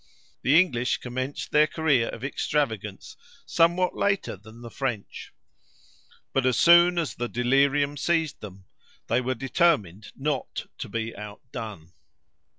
The English commenced their career of extravagance somewhat later than the French; but as soon as the delirium seized them, they were determined not to be outdone.